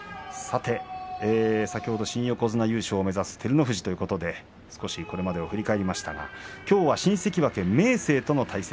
先ほど新横綱優勝を目指す照ノ富士ということでお話がありましたがきょうは明生との対戦。